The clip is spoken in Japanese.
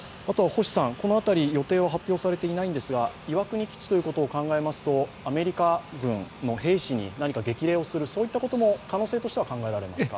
このあたり、予定は発表されていないんですが、岩国基地ということを考えますとアメリカ軍の兵士に何か激励をすることも、可能性としては考えられますか？